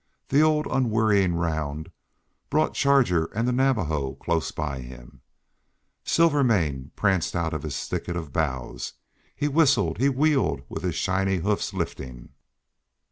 The old unwearying round brought Charger and the Navajo close by him. Silvermane pranced out of his thicket of boughs; he whistled; he wheeled with his shiny hoofs lifting.